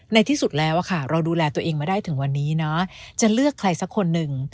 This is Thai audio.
ในที่สุดแล้วค่ะเราดูแลตัวเองมาได้ถึงวันนี้นะจะเลือกใครสักคนหนึ่ง